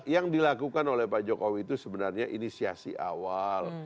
yang dilakukan oleh pak jokowi itu sebenarnya inisiasi awal